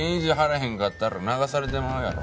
へんかったら流されてまうやろ。